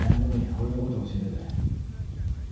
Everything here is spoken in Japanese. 俺のこと教えてくれ。